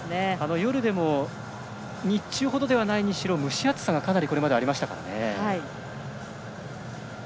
夜でも日中ほどではないにしろ蒸し暑さがかなりこれまではありましたからね。